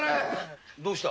どうした？